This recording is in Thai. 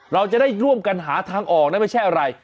เราจะได้ร่วมกันหาทางออกนะไม่ใช่อะไร